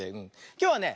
きょうはね